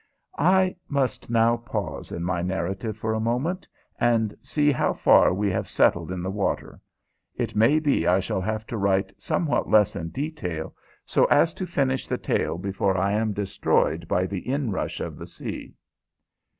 I must now pause in my narrative for a moment, and see how far we have settled in the water. It may be I shall have to write somewhat less in detail so as to finish the tale before I am destroyed by the inrush of the sea.